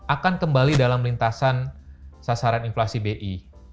akan kembali dalam lintasan sasaran inflasi bi